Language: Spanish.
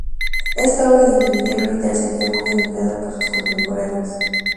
Esta obra de ingeniería militar sería muy admirada por sus contemporáneos.